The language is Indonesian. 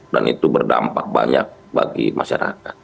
dan itu berdampak banyak bagi masyarakat